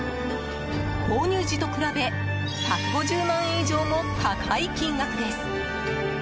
購入時と比べ１５０万円以上も高い金額です。